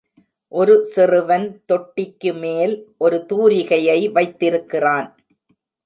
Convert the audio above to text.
ஒரு சிறுவன் தொட்டிக்கு மேல் ஒரு தூரிகையை வைத்திருக்கிறான்.